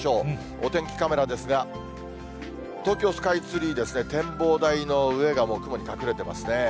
お天気カメラですが、東京スカイツリーですね、展望台の上が、もう雲に隠れてますね。